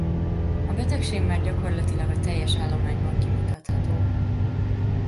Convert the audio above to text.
A betegség már gyakorlatilag a teljes állományban kimutatható.